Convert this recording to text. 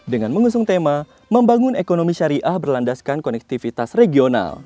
dengan mengusung tema membangun ekonomi syariah berlandaskan konektivitas regional